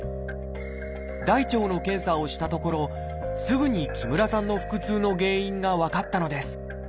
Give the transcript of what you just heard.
大腸の検査をしたところすぐに木村さんの腹痛の原因が分かったのです。